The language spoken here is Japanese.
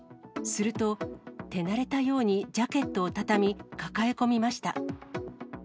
すると、手慣れたようにジャケットを畳み、抱え込みました。